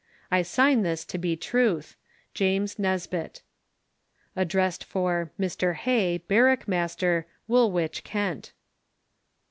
I sine this to be truth. "JAMES NISBETT." Addressed for "Mr Hay, Barrick Master, Woolwich, Kent."